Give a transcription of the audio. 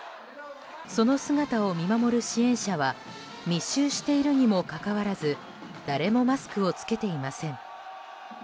その姿を見守る支援者は密集しているにもかかわらず誰もマスクを着けていません。